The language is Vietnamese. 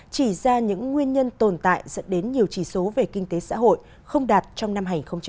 chỉ ra những nguyên nhân tồn tại dẫn đến nhiều chỉ số về kinh tế xã hội không đạt trong năm hai nghìn một mươi chín